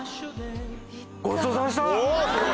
ごちそうさまでした！